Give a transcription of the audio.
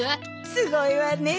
すごいわねえ。